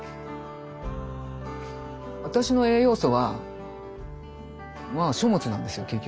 私の栄養素はまあ書物なんですよ結局。